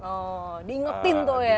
oh diingetin tuh ya